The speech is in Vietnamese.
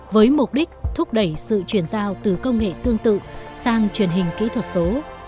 với mục đích thúc đẩy sự chuyển giao từ công nghệ tương tự sang truyền hình kỹ thuật số